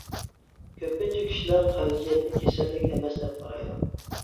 كۆپىنچە كىشىلەر قەۋزىيەتنى كېسەللىك ئەمەس دەپ قارايدۇ.